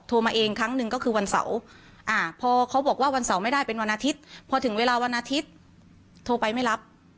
โทรมาเองครั้งนึงก็คือวันเสาร์